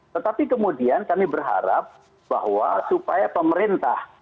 tetapi kemudian kami berharap bahwa supaya pemerintah